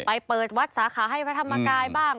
เปิดวัดสาขาให้พระธรรมกายบ้าง